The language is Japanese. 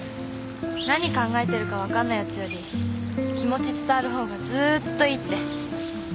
何考えてるか分かんないやつより気持ち伝わる方がずっといいって。